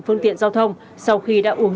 phương tiện giao thông sau khi đã uống